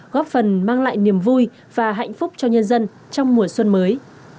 góp phần mang lại niềm vui và hạnh phúc cho nhân dân trong mùa xuân mới